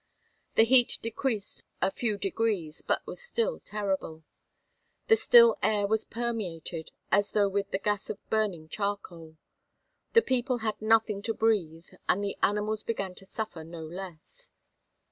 The heat decreased a few degrees but was still terrible. The still air was permeated as though with the gas of burning charcoal. The people had nothing to breathe and the animals began to suffer no less.